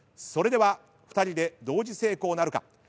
それでは２人で同時成功なるか。